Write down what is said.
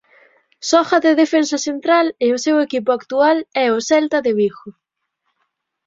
Xoga de defensa central e o seu equipo actual é o Celta de Vigo.